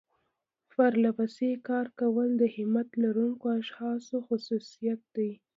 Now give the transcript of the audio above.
پرلپسې کار کول د همت لرونکو اشخاصو خصوصيت دی.